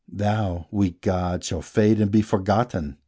Thou; weak god, Shalt fade and be forgotten!